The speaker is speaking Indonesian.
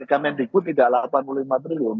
kemendikbud tidak rp delapan puluh lima triliun